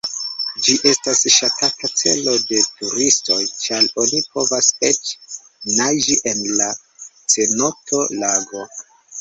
Ĝi estas ŝatata celo de turistoj, ĉar oni povas eĉ naĝi en la cenoto-lago.